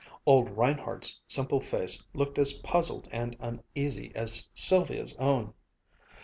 Old Reinhardt's simple face looked as puzzled and uneasy as Sylvia's own.